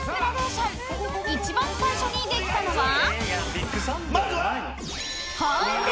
［一番最初にできたのは］